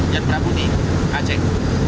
jan prabu di aceh